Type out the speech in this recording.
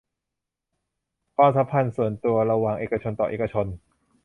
ความสัมพันธ์ส่วนตัวระหว่างเอกชนต่อเอกชน